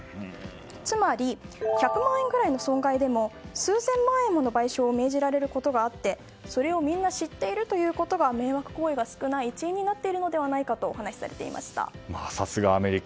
つまり１００万円くらいの損害でも、数千万円もの賠償を命じられることがあって、それをみんな知っているということから迷惑行為が少ない一因になっているのではないかとさすがアメリカ。